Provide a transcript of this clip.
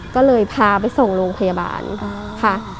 ก็เลยพาไปส่งโรงพยาบาลค่ะ